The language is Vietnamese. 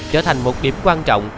trở thành một điểm quan trọng